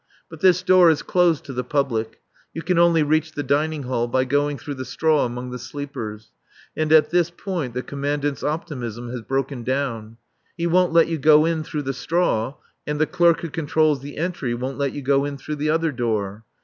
But this door is closed to the public. You can only reach the dining hall by going through the straw among the sleepers. And at this point the Commandant's optimism has broken down. He won't let you go in through the straw, and the clerk who controls the entry won't let you go in through the other door.